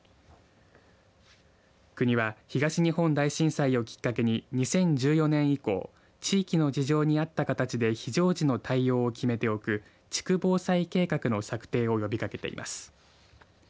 国は東日本大震災をきっかけに２０１４年以降地域の事情に合った形で非常時の対応を決めておく地区防災計画の策定を呼びかけています。